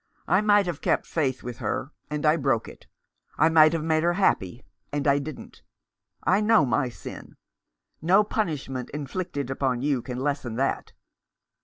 I might have kept faith with her, and I broke it. I might have made her happy, and I didn't. I know my sin. No punishment inflicted upon you can lessen that.